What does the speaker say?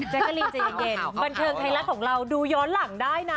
แจ๊คลีจะยังเย็นบันเครงไทยรักษ์ของเราดูย้อนหลังได้นะ